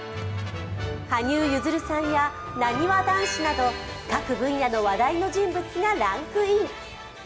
羽生結弦さんやなにわ男子など各分野の話題の人物がランクイン。